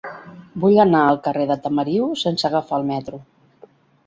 Vull anar al carrer de Tamariu sense agafar el metro.